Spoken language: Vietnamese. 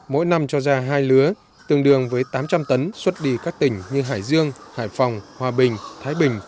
mỗi năm cho ra hai lứa tương đương với tám trăm linh tấn xuất đi các tỉnh như hải dương hải phòng hòa bình thái bình